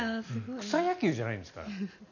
草野球じゃないんですから。